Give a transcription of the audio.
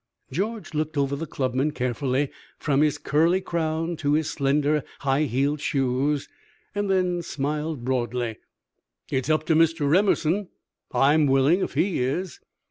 George looked over the clubman carefully from his curly crown to his slender, high heeled shoes, then smiled broadly. "It's up to Mr. Emerson. I'm willing if he is."